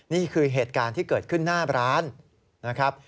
นี่คือเหตุการณ์ที่เกิดขึ้นหน้าร้านนะครับ